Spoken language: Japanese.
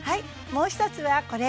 もう一つはこれ。